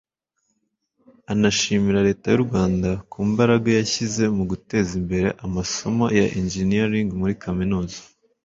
anashimira Leta y’u Rwanda ku mbaraga yashyize mu guteza imbere amasomo ya ‘engineering’ muri Kaminuza